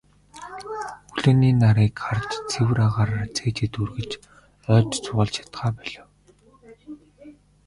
Өглөөний нарыг харж, цэвэр агаараар цээжээ дүүргэж, ойд зугаалж чадахаа болив.